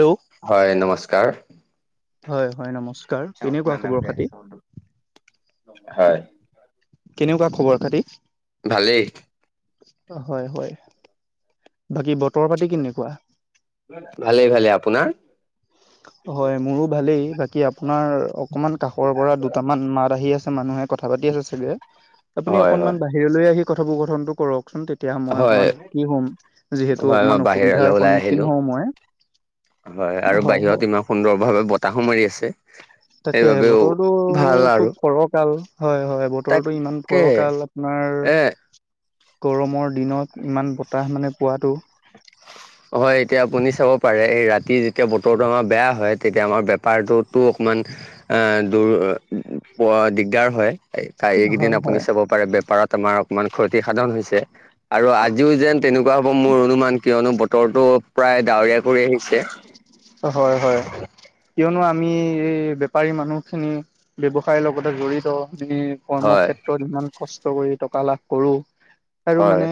Hello হয় নমস্কাৰ হয় হয় নমস্কাৰ, কেনেকুৱা খবৰ খাতি? হয় কেনেকুৱা খবৰ খাতি? ভালেই হয় হয়, বাকী বতৰ পাতি কেনেকুৱা? ভালে ভালে, আপোনাৰ? হয় মোৰো ভালেই, বাকী আপোনাৰ অকমান কাষৰ পৰা দুটামান মাত আহি আছে মানুহে কথা পাতি আছে চাগে আপুনি হয় হয়। অকমান বাহিৰলৈ আহি কথোপকথনটো কৰকচোন তে তিয়া মই হয় অকমান সুখী হম যিহেতু হয় মই অকমান বাহিৰলৈ অসুবিধাৰ ওলাই আহিলো। সন্মুখীন হওঁ মই হয় আৰু বাহিৰত ইমান সুন্দৰ ভাৱে বতাহো মাৰি আছে তাকেহে সেইবাবেও বতৰটো ভাল আৰু খুব ফৰকাল হয় হয় বতৰটো ইমান তাকে ফৰকাল আপোনাৰ এ গৰমৰ দিনত ইমান বতাহ মানে পোৱাটো [unintelligible] হয় এতিয়া আপুনি চাব পাৰে এই ৰাতি যেতিয়া বতৰটো আমাৰ বেয়া হয় তেতিয়া আমাৰ বেপাৰটোতো অকমান এ দূৰ প দিগদাৰ হয় এই কাই হয় এইকেইদিন হয় আপুনি চাব পাৰে বেপাৰত আমাৰ অকমান ক্ষতি সাধন হৈছে। আৰু আজিও যেন তেনেকুৱা হ'ব মোৰ অনুমান কিয়নো বতৰতো প্ৰায় ডাৱৰীয়া কৰি আহিছে। হয় হয়। কিয়নো আমি এই বেপাৰী মানুহখিনি ব্যৱসায়ৰ লগতে জড়িত বিলি কৰ্ম হয় ক্ষেত্ৰত ইমান কষ্ট কৰি টকা লাভ কৰো আৰু হয় মানে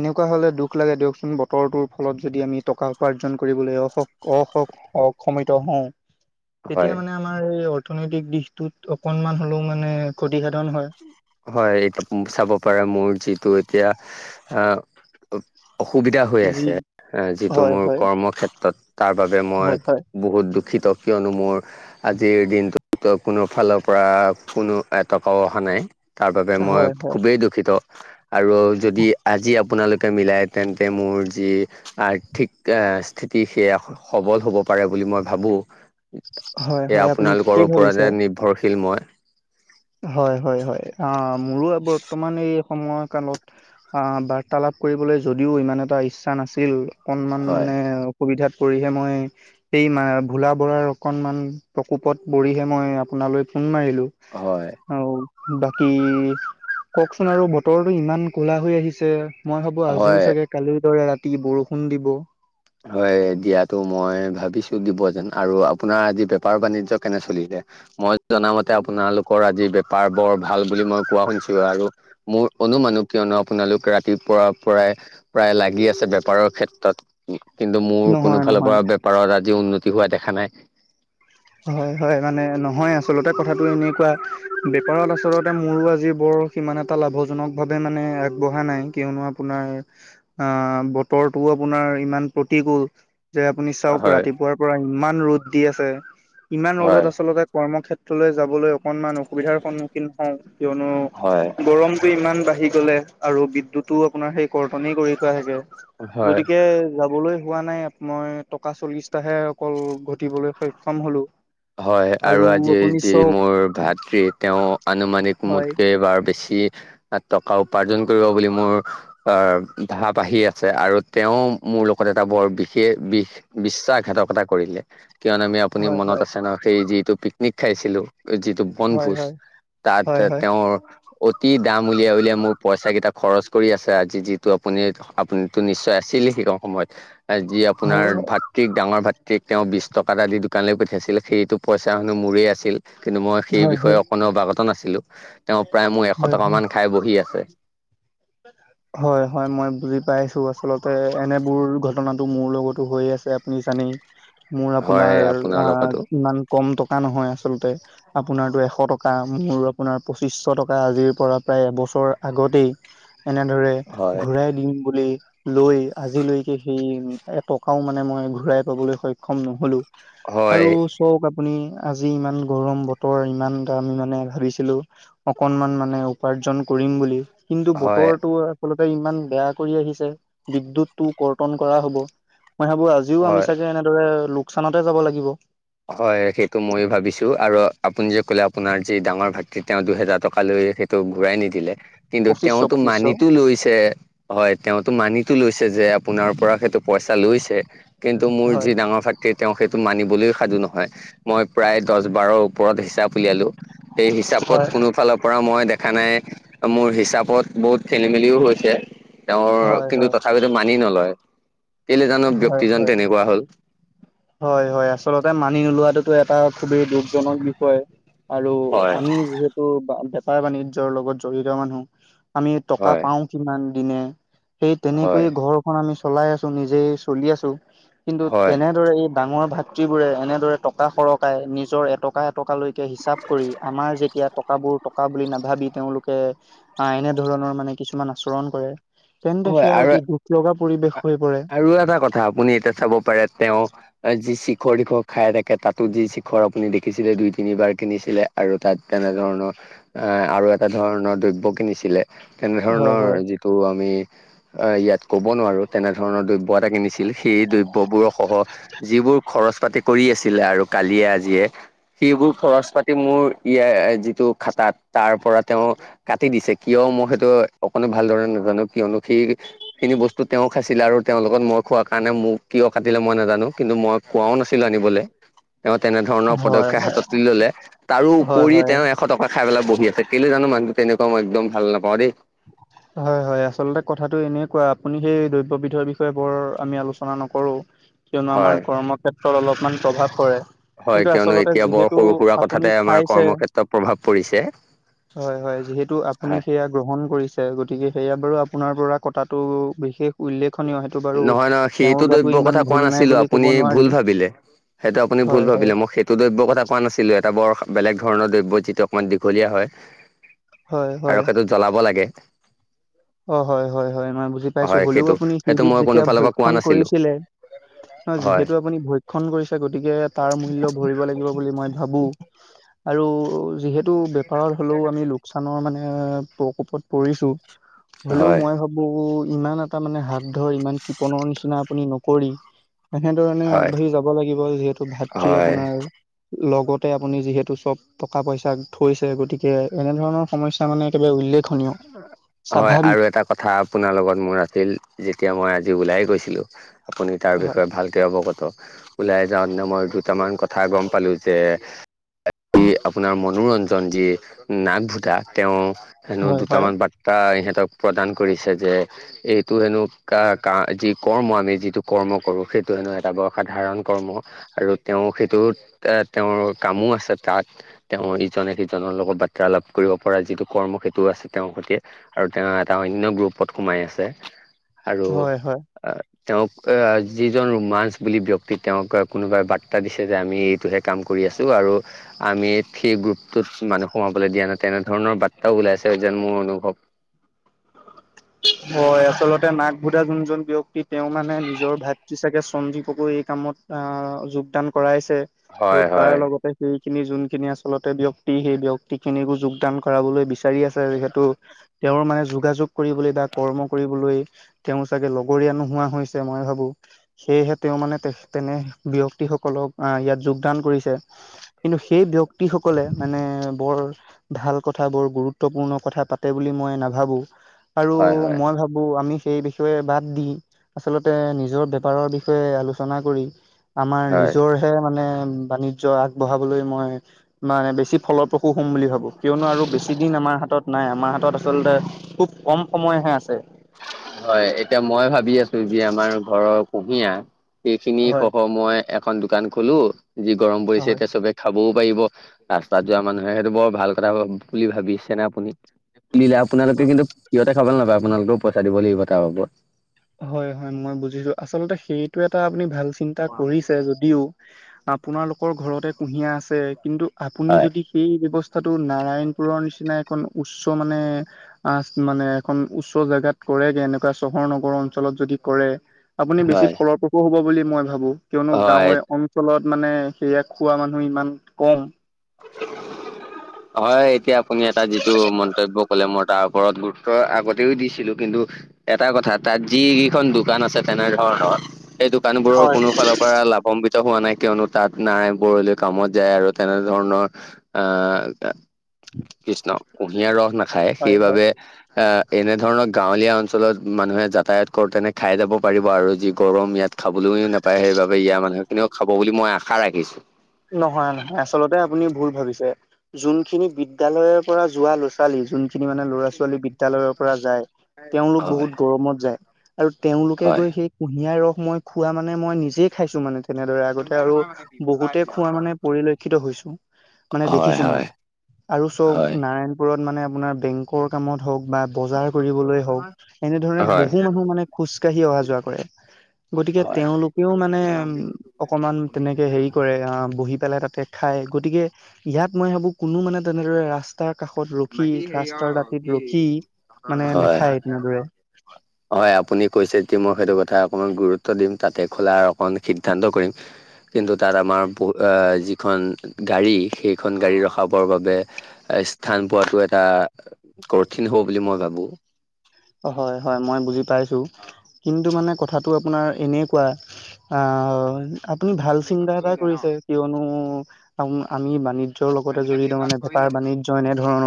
এনেকুৱা হলে দুখ লাগে দিয়কচোন বতৰটোৰ ফলত যদি আমি টকা উপাৰ্জন কৰিবলৈ অ অ ক্ষ অক্ষমিত হওঁ তেতিয়া হয় মানে আমাৰ এই অৰ্থনৈতিক দিশটোত অকনমান হ'লেও মানে ক্ষতিসাধন হয় হয় এতিয়া চাব পাৰা মোৰ যিটো এতিয়া আহ অসুবিধা হৈ যি আছে যিটো হয় মোৰ হয় কৰ্ম ক্ষেত্ৰত তাৰ বাবে হয় মই বহুত দুখিত কিয়নো মোৰ। আজিৰ দিনটো ত কোনো ফালৰ পৰা কোনো এটকাও। অহা নাই তাৰ বাবে হয় মই হয় হয় খুবেই দুখিত। আৰু যদি আজি আপোনালোকে মিলাই তেন্তে মোৰ যি। আৰ্থিক আহ স্থিতি সেয়া হ সবল হ'ব পাৰে বুলি মই ভাবো। হয় সেয়া হয় আপুনি আপোনালোকৰ ঠিকেই ভাবিছে ওপৰতে নিৰ্ভৰশীল মই। হয় হয় হয় অ মোৰো আবৰ। ৰ্তমান এই সময় কালত আহ বাৰ্তালাপ কৰিবলৈ যদিও ইমান এটা ইচ্ছা নাছিল। অকনমান হয় মানে অসুবিধাত পৰিহে মই। এই মা ভোলা বৰাৰ অকনমান প্ৰকোপত পৰিহে মই আপোনালৈ ফোন মাৰিলো। হয়। আউ বাকী কওকচোন আৰু বতৰটো ইমান ক'লা হৈ আহিছে। মই ভাবো আজিও হয় চাগে কালিৰ দৰে ৰাতি বৰষুণ দিব। হয় দিয়াতো মই ভাবিছো দিব যেন আৰু আপোনাৰ আজি বেপাৰ বাণিজ্য কেনে চলিলে। মই জনামতে আপোনালোকৰ আজি বেপাৰ বৰ ভাল বুলি মই কোৱা শুনছো আৰু। মোৰ অনুমানো কিয়নো আপোনালোক ৰাতিপুৱাৰ পৰাই। প্ৰায় লাগি আছে বেপাৰৰ ক্ষেত্ৰত। কিন্তু মোৰ কোনো নহয় ফালৰ নহয় পৰা বেপাৰত আজি উন্নতি হোৱা দেখা নাই। হয় হয় মানে নহয় আচলতে কথাটো এনেকুৱা বেপাৰত আচলতে মোৰো আজি বৰ। সিমান এটা লাভজনকভাৱে মানে আগবঢ়া নাই কিয়নো আপোনাৰ। আ বতৰটোও আপোনাৰ ইমান প্ৰতিকূল। যে আপুনি চাওক হয়। ৰাতিপুৱাৰ পৰা ইমান ৰ'দ দি আছে। ইমান হয় ৰ'দত আচলতে কৰ্মক্ষেত্ৰলৈ যাবলৈ। অকণমান অসুবিধাৰ সন্মুখীন হওঁ হয়। কিয়নো গৰম। টো ইমান বাঢ়ি গ'লে আৰু বিদ্যুতো আপোনাৰ সেই কৰ্তনে কৰি থোৱা থাকে। হয় গতিকে যাবলৈ হোৱা নাই ইয়াত। মই টকা চল্লিশটাহে অকল ঘটিবলৈ সক্ষম হলো। হয়, আৰু আজি আপুনি যি চক মোৰ ভাতৃ তেওঁ আনুমানিক হয় মোতকৈ বাৰ বেছি তাত, টকা, উপাৰ্জন কৰিব বুলি মোৰ আহ, ধা বাহি আছে, আৰু তেওঁ মোৰ লগত এটা বৰ বিশেষ, বিষ বিশ্বাসঘাতকতা কৰিলে কিয়নো আমি আপ পুনি হয় মনত হয় আছে ন, সেই যিটো পিকনিক খাইছিলো যিটো হয় পনভোজ হয় তাত তে হয় তেওঁৰ অতি দাম উলিয়াই, উলিয়াই মোৰ পইচা কেইটা খৰচ কৰি আছে, আজি যিটো আপুনি আপুনিতো নিশ্চয় আছিল, সেই সময়ত যি আপ হয় হয় আপোনাৰ ভাতৃক, ডাঙৰ ভাতৃক তেওঁ বিছ টকা এটা দি দোকানলে পঠিয়াইছিলে। সেইটো পইচা হেনো-মোৰেই আছিল। কিন্তু মই সেই হয় হয় হয় বিষয়ে অকণো অৱাগত নাছিলো। তেওঁ প্ৰায় মোৰ এশ হয় টকা মান খাই বহি আছে। [inaudible] হয়, হয়, মই বুজি পাইছোঁ আচলতে এনেবোৰ ঘটনাটো মোৰ লগতো হৈয়ে আছে আপুনি জানেই। মোৰ হয় আপোনাৰ আ লগতো ইমান কম টকা নহয় আচলতে। আপোনাতোৰ এশ টকা মোৰ আপোনাৰ পঁচিশ টকা আজিৰ পৰা প্ৰায় এবছৰ আগতেই। এনেদৰে হয় ঘূৰাই দিম বুলি। লৈ আজিলৈকে সেই এটকাও মানে মই ঘূৰাই পাবলৈ সক্ষম নহ'লো। হয় আৰুচ কওক আপুনি, আজি ইমান গৰম বতৰ, ইমান দামি মানে ভাবিছিলো। অকনমান মানে, উপাৰ্জন কৰিম বুলি। কিন্তু ব হয় টো আচলতে ইমান বেয়া কৰি আহিছে, বিদ্যুতটো কৰ্তন কৰা হ'ব। মই ভাবো আজ আজিও হয়। আমি চাগে এনেদৰে লোকচানতে যাব লাগিব। হয়, সেইটো ময়ো ভাবিছো আৰু আপুনি যে ক'লে, আপোনাৰ যি ডাঙৰ ভাতৃ তেওঁ দুহেজা টকা লৈ সে ত' ঘূৰাই নিদিলে, কিন্তু পঁচিছশ তেওঁতো পঁচিছশ মানিতো লৈছে। হয়, তেওঁতো মানিটো লৈছে যে, আপোনাৰ পৰা সেইটো পইচা লৈছে। কিন্তু মোৰ যি হয় ডাঙৰ ভাতৃ, তেওঁ সেইটো মানিবলৈ সাজু নহয়। মই প্ৰায় দছ বাৰ ওপৰত হিচাপ উলিয়ালো। সেই হিচাপত হয় কোনো ফালৰ পৰা মই দেখ খানাই মোৰ হিচাপত বহুত খেলি, মেলিও হৈছে। তেওঁৰ হয় কিন্তু হয় তথাপি টো, মানি নলয়। কেলে জানো হয় ব্যক্তিজন হয়। তেনেকুৱা হ'ল? হয়, হয়, আচলতে মানি নোলোৱাতোতো এটা খুবেই দুখজনক বিষয়। আৰু হয় আমি যিহেতু বা বেপাৰ বাণিজ্যৰ লগত জড়িত মানুহ। আমি টকা হয় পাও কিমান দিনে। সেই হয় তেনেকৈয়ে ঘৰ খন আমি চলাই আছো, নিজেই চলি আছো, কিন্তু হয় এনেদৰে এ ডাঙৰ ভাতৃবোৰে এনেদৰে টকা সৰকাই, নিজৰ এটকা এ টকালৈকে হিচাপ কৰি, আমাৰ যেতিয়া টকাবোৰ টকা বুলি নাভাবি, তেওঁলোকে আহ, এনে ধৰণৰ মানে কিছুমান আচৰণ কৰে। তেন্তে, হয় সেয়া আৰু অতি দুখ লগা পৰিৱেশ হৈ পৰে। আৰু এটা কথা আপুনি এতিয়া চাব পাৰে তেওঁ, যি, শিখৰ টিখৰ খাই থাকে, তাতো যি শিখৰ আপুনি দেখিছিলে দুই, তিনিবাৰকে নিছিলে। আৰু তাত, তেনে ধৰণৰ এ, আৰু এটা ধৰণৰ দ্ৰব্য কিনিছিলে। তেনে হয় ধৰণৰ হয় যিটো আমি ইয়াত কব নোৱাৰো। তেনে ধৰণৰ দ্ৰব্য এটা কিনিছিল। সেই দ্ৰব্যবোৰ সহ যিবোৰ খৰচ পাতি কৰি আছিলে আৰু কালিয়ে আজিয়ে। সেইবোৰ খৰচ পাতি মোৰ ইয়ে যিটো খাতাত তাৰ পৰা তেওঁ কাটি দিছে, কিয় মই সেইটো অকণো ভালদৰে নাজানো, কিয়নো সেই খিনি বস্তু তেওঁক খাইছিলে আৰু তেওঁ লগত মই খোৱা কাৰণে মোক কিয় কাটিলে মই নাজানো কিন্তু মই কোৱাও নাছিলোঁ আনিবলে। তেওঁ তেনেধৰণৰ হয় পদক্ষেপ হাতত তুলি ললে। তাৰো হয় উপৰি হয়। তেওঁ শ, টকা খাই পেলাই বহি আছে, কেলৈ জানো মানুহটো তেনেকুৱা মই একডম ভাল নাপাওঁ দেই। [inaudible] হয় হয়, আচলতে কথাটো এনেই কোৱা আপুনি সেই দ্ৰব্যবিধৰ বিষয়ে বৰ আমি আলোচনা নকৰো। কিয়নো আমাৰ হয় কৰ্ম ক্ষেত্ৰত অলপমান প্ৰভাৱ পৰে। হয় কিন্তু কিয়নো আচলতে এতিয়া বৰ যিহেতু সৰু সুৰা কথাতে আপুনি আমাৰ খাইছে? কৰ্মক্ষেত্ৰত প্ৰভাৱ পৰিছে হয় হয়, যিহেতু আপুনি হয় সেয়াক গ্ৰহণ কৰিছে। গতিকে সেয়া বাৰু আপোনাৰ পৰা কটাটো বিশেষ উল্লেখনীয় সেইটো বাৰু নহয় নহয় সেইটো তেওঁৰ গাতো দ্ৰব্যৰ কথা ইমান কোৱা ভুল নাই নাছিলো বুলি আপুনি ক'ব ভুল নোৱাৰি। ভাবিলে সেইটো আপুনি ভূল হয় হয় ভাবিলে মোক। [unintelligible] টো দ্ৰব্য কথা কোৱা নাছিলো। এটা বৰ বেলেগ ধৰণৰ দ্ৰব্য যিটো অকণমান দীঘলীয়া হয়। হয় আৰু হয় সেইটো জ্বলাব লাগে। অ হয় হয় হয়, মই বুজি পাইছো। হয় হলেও সেইটো আপুনি সেইটো সেইবিধ মই কোনো যেতিয়া ফালৰ পৰা কোৱা ভক্ষণ নাছিলো কৰিছিলে। ন হয়, যিহেতু আপুনি ভক্ষণ কৰিছে। গতিকে তাৰ মূল্য ভৰি ব লাগিব বুলি মই ভাবো আৰু যিহেতু বেপাৰত হলেও আমি লোকচা চান মানে প্ৰকোপত পৰিছো। হলেও হয়, মই ভাবো, ইমান এটা মানে হাত ধৰ, ইমান কৃপণৰ নিচিনা আপুনি ন কৰি। এনেধৰণে হয়, আগবাঢ়ি যাব লাগিব। যিহেতু, ভাতৃ হয়, আপোনাৰ লগতে আপুনি যিহেতু, চব টকা- পইচাক থৈছে। গতিকে কে, এনেধৰণৰ সমস্যা মানে একেবাৰে উল্লেখনীয়। হয়, স্বাভাৱিক আৰু এটা কথা আপোনাৰ লগত মোৰ আছিল, যেতিয়া মই আজি ওলাই গৈছিলো। আপুনি তাৰ হয় বিষয়ে ভালকৈ অৱগত। ওলাই যাওঁতেনে মই দুটামান কথা গম পালো যে, আপোনাৰ মনোৰঞ্জন, যি নাকভোটা তেওঁ হেনো হয় হয় দুটামান বাত তা, এটা ইহঁতক প্ৰদান কৰিছে যে এইটো হেনো কা- কাঁ, এই যি কৰ্ম, আমি যিটো কৰ্ম কৰো, সেইটো হেনো এটা সাধাৰণ কৰ্ম। আৰু তেওঁ সেইটোত, এ তেওঁৰ কামো আছে। তাত তেওঁৰ ইজনে- সিজনৰ লগত বাৰ্তালাপ কৰিব পৰা যিটো কৰ্ম, সেইটো আছে তেওঁৰ সৈতে। আৰু তেওঁ এটা অন্য গ্ৰুপত সোমাই আছে। আৰু হয় হয় অ তেওঁক আহ, যিজন ৰোমাঞ্চ বুলি ব্যক্তি তেওঁক কোনোবাই বাৰ্তা দিছে যে, আমি এইটো শেষ কাম কৰি আছোঁ। আৰু আমি ফ্ৰী গ্ৰুপ টোত মানুহ সোমাবলৈ দিয়া নাই, তেনেধৰণৰ বাৰ্তাও ওলাইছে যেন মোৰ অনুভৱ। হয়, আচলতে নাকভোদা যোনজন ব্যক্তিক তেওঁ মানে নিজৰ ভাতৃ চাগে, সঞ্জীৱকও এই কামত আহ, যোগ দান কৰাইছে। আৰু হয় তাৰ হয় লগতে সেইখিনি যোনখিনি আচলতে ব্যক্তি ব্যক্তি, সেই ব্যক্তি খিনিকো যোগদান কৰিবলৈ বিচাৰি আছে। যিহেতু, তেওঁৰ মানে যোগাযোগ কৰিবলৈ বা কৰ্ম কৰিবলৈ তেওঁ চাগে লগৰীয়া নোহোৱা হৈছে মই ভাবোঁ। সেয়েহে, তেওঁ মানে তে- তেনে ব্যক্তিসকলক আহ, ইয়াত যোগদান কৰিছে। কিন্তু, সেই ব্যক্তি সকলে মানে, বৰ ভাল কথাবোৰ বৰ গুৰুত্বপূৰ্ণ কথা পাতে বুলি মই নাভাবোঁ। আৰু হয় হয় মই ভাবোঁ, আমি সেই বিষয়ে বাদ দি আচলতে নিজৰ বেপাৰৰ বিষয়ে আলোচনা কৰি আমাৰ হয় নিজৰহে মানে, বাণিজ্য আগবঢ়াবলৈ মই মানে বেছি বেছি ফলপ্ৰসূ হ'ম বুলি ভাবোঁ। কিয়নো আৰু বেছি দিন আমাৰ হাতত নাই। আমাৰ হাতত আচলতে খুব কম সময়হে আছে। হয়, এতিয়া মই ভাবি আছোঁ, যে আমাৰ ঘৰৰ কুঁহিয়া হয় এইখিনিসহ মই এখন দোকান খলোঁ। যি গৰম পৰিছে, হয় এতিয়া চবে খাবও পাৰিব, ৰাস্তাত যোৱা মানুহে। সেইটো বৰ ভাল কথা বুলি ভাবিছেনে আপুনি? তুলিলে আপোনালোকে কিন্তু সিহঁতে খাব নাপায়। আপোনালোকেও পইচা দিব লাগিব তাৰ বাবত। হয়- হয়, মই বুজিছো, আচলতে সেইটো এটা আপুনি ভাল চিন্তা কৰিছে। যদিও আপোনালোকৰ ঘৰতে কুঁহিয়া আছে। কিন্তু আপুনি হয় যদি এই ব্যৱস্থাটো নাৰায়ণপুৰৰ নিচিনা এখন উচ্চ মানে আহ, মানে এখন উচ্চ জোগাত কৰেগে এনেকুৱা চহৰ- নগৰ অন অঞ্চলত যদি কৰে, আপুনি বেছি হয় ফলপ্ৰসু হ'ব বুলি মই ভাবোঁ। কিয়নো হয়। গাঁৱে এখন অঞ্চলত মানে, সেইয়া খোৱা মানুহ ইমান কম। হয়, এতিয়া আপুনি এটা যিটো মন্তব্য কলে, মই তাৰ ওপৰত গুৰু আগতেও দিছিলো। কিন্তু এটা কথা তাত যিকেইখন দোকান আছে, তেনেধৰণৰ এই দোকানবোৰৰ হয় কোনো ফালৰ পৰা লাভান্বিত হোৱা নাই। কিয়নো তাত নাৰায়ণপুৰ যি কামত যায় আৰু তেনে ধৰণৰ আহ, উম। কৃষ্ণ, কুঁহিয়াৰ ৰস নাখায়। সেইবাবে আহ এনেধৰণৰ গাঁৱলীয়া অঞ্চলত মানুহে যাতায়াত কৰোতেনে খাই যাব পাৰিব আৰু যি গৰম ইয়াত খাবলৈও নাপায় সেইবাবে ইয়াৰ মানুহ খিনিও খাব বুলি মই আশা ৰাখিছো নহয় নহয় আচলতে আপুনি ভুল ভাবিছে যোনখিনি বিদ্যালয়ৰ পৰা যোৱা ল' ছোৱালী যোনখিনি মানে ল'ৰা ছোৱালী বিদ্যালয়ৰ পৰা যায় তেওঁলোক হয় বহুত গৰমত যায় আৰু তেওঁলোকে হয় গৈ সেই কুহিয়া ৰস মই খোৱা মানে মই নিজে খাইছো মানে তেনেদৰে আগতে আৰু বহুত হে খোৱা মানে পৰিলক্ষিত হৈছো মানে হয় দেখিছো মই হয় আৰু চব হয় না নাৰায়ণপুৰত মানে আপোনাৰ বেংকৰ কামত হক বা বজাৰ কৰিবলৈ হওক এনেধৰণে বহু মানুহ মানে খোজ কঢ়ি অহা যোৱা কৰে গতিকে তেওঁলোকেও মানে উ অকমান তেনেকে হেৰি এ আ বহি পেলাই তাতে খায় গতিকে ইয়াত মই ভাবোঁ কোনো মানে তেনেদৰে ৰাচ তাৰ কাষত ৰখি ৰাস্তাৰ দাঁতিত ৰখি মানে হয়। নেখায় তেনেদৰে হয় আপুনি কৈছে তি মই সেইটো কথা অকণমান গুৰুত্ব দিম তাতে খোলাৰ অকণ সিদ্ধান্ত কৰিম কিন্তু তাত আমাৰ বহো আহ যিখন গাড়ী সেইখন গাড়ী ৰখাবৰ বাবে এ স্থান পোৱাতো এটা কঠিন হব বুলি মই ভাবো হয় হয় মই বুজি পাইছো কিন্তু মানে কথাত টো আপোনাৰ এনেকুৱা আহ আপুনি ভাল চিন্তা এটাই কৰিছে কিয়নো আম আমি বাণিজ্যয়ৰ লগতে জড়িত মানে বেপাৰ বাণিজ্য এনে ধৰণৰ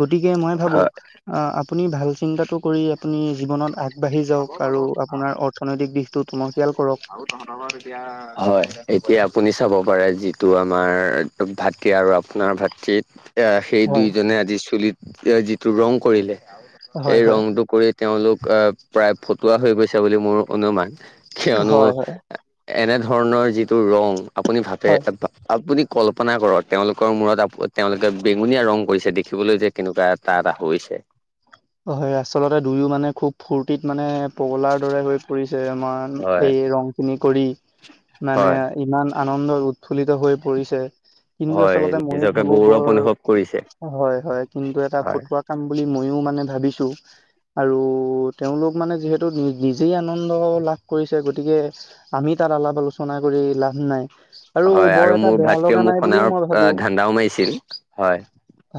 গতিকে মই ভাবো হয়। আহ আপুনি ভাল চিন্তাটো কৰি আপুনি জীৱনত আগবাঢ়ি যাওক আৰু আপোনাৰ অৰ্থনৈতিক দিশটো টনকিয়াল কৰক তহঁতৰ ঘৰত এতিয়া হয় এতিয়া আপুনি চাব পাৰে যিটো আমাৰ ভাতৃ আৰু আপোনাৰ ভাতৃৃত এয়া সেই হয় দুইজনে আজি চুলিত এ যিটো ৰং কৰিলে হয় সেই হয় ৰংটো কৰি তেওঁলোক আহ প্ৰায় ফটুৱা হৈ গৈছে বুলি মোৰ অনুমান কিয়নো হয় হয় এনে ধৰণৰ যিটো ৰং আপুনি ভাবে হয় এ বা আপুনি কল্পনা কৰক তেওঁলোকৰ মূৰত আপ তেওঁলোকে বেঙুনীয়া ৰং কৰিছে দেখিবলৈ যে কেনুকুৱা এটা এটা হৈছে হয় আচলতে দুয়ো মানে খুব ফূৰ্তিত মানে পগলাৰ দৰে হৈ পৰিছে আমাৰ হয় এই ৰং খিনি কৰি মানে হয় ইমান আনন্দ উৎফুল্লিত হৈ পৰিছে কিন্তু হয় আচলতে মইয়ো নিজকে ভাবো গৌৰৱ বৰ অনুভৱ কৰিছে। হয় হয় কিন্তু এটা হয় ফটোৱা কাম বুলি মইও মানে ভাবিছো আৰু তেওঁলোক মানে যিহেতু নি নিজেই আনন্দ লাভ কৰিছে গতিকে আমি তাত আলাপ আলোচনা কৰি লাভ নাই হয় বৰ আৰু এটা মোৰ বেয়া ভাতৃয়েও লগা মোক নাই বুলিও সোণাৰ মই আ ভাবোঁ ধান্দাও মাৰিছিল হয়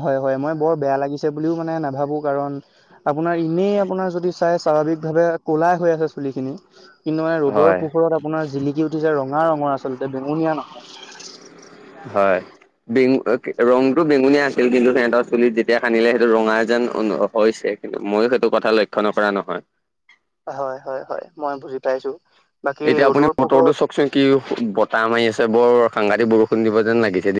হয় হয় মই বৰ বেয়া লাগিছে বুলিও মানে নাভাবো কাৰণ আপোনাৰ এনেই আপোনাৰ যদি তাই স্বাভাৱিকভাৱে ক'লাই হৈ আছে চুলি খিনি কিন্তু মানে ৰ'দৰ হয় পোহৰত আপোনাৰ জিলিক কি উঠিছে ৰঙা ৰঙৰ আচলতে বেঙুনীয়া নহয় হয় বেঙু অ কি ৰংটো বেঙুনীয়া আছিল কিন্তু হেতৰ চুলিত যেতিয়া খানিলে সেইটো ৰঙা যেন অ হৈছে কিন্তু মইও সেইটো কথা লক্ষ্য নকৰা নহয় হয়', হয়', হয়', মই বুজি পাইছো। এতিয়া আপুনি বতৰতো চওকচোন কি বতাহ মাৰি আছে, বৰ সাংঘাতি বৰষুণ দিব যেন লাগিছে।